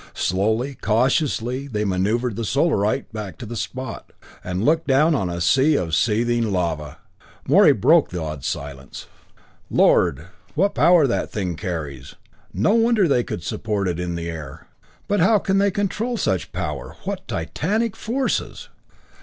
Slowly, cautiously they maneuvered the Solarite back to the spot, and looked down on a sea of seething lava! Morey broke the awed silence. "Lord what power that thing carries! No wonder they could support it in the air! But how can they control such power? What titanic forces!"